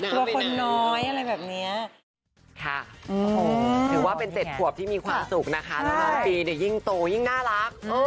ถือว่าเป็นเจ็ดควบที่มีความสุขนะคะเป็นอันนี้มันยิ่งโตยิ่งน่ารัก